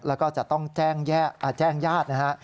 แล้วก็จะต้องแจ้งญาตินะฮะ